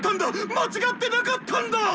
間違ってなかったんだ！